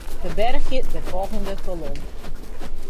Ferbergje de folgjende kolom.